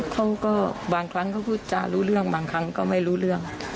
เขาก็บางครั้งเขาพูดจารู้เรื่องบางครั้งก็ไม่รู้เรื่อง